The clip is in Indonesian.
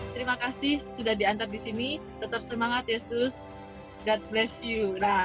terima kasih sudah diantar di sini tetap semangat yesus god bless you